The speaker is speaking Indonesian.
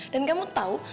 dan kamu tau